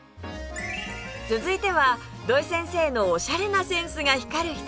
続いては土井先生のオシャレなセンスが光るひと品